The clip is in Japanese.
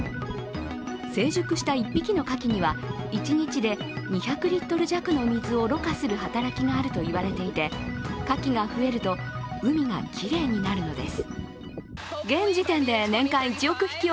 成熟した１匹のカキには一日で２００リットル弱の水をろ過する力があると言われていてカキが増えると海がきれいになるのです。